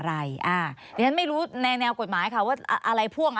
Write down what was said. อะไรอ่าดิฉันไม่รู้ในแนวกฎหมายค่ะว่าอะไรพ่วงอ่ะ